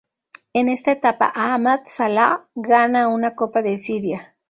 En esta etapa Ahmad Salah gana una Copa de Siria.